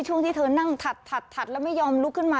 ที่เธอนั่งถัดแล้วไม่ยอมลุกขึ้นมา